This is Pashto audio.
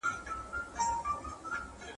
غمګین مه راته زنګېږه مه را شمېره خپل دردونه `